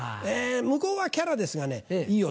向こうはキャラですがねいい男。